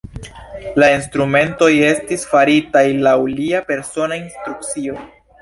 La instrumentoj estis faritaj laŭ lia persona instrukcio.